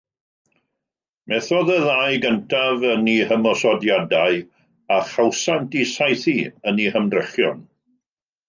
Methodd y ddau gyntaf yn eu hymosodiadau a chawsant eu saethu yn eu hymdrechion.